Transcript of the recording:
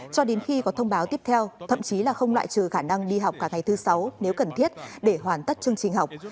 cho đến khi có thông báo tiếp theo thậm chí là không loại trừ khả năng đi học cả ngày thứ sáu nếu cần thiết để hoàn tất chương trình học